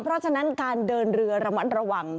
เพราะฉะนั้นการเดินเรือระมัดระวัง